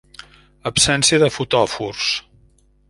Absència de fotòfors.